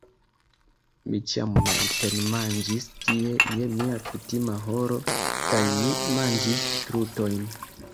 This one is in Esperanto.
Mi ĉiam matenmanĝis tie je mia kutima horo, kaj mi manĝis trutojn.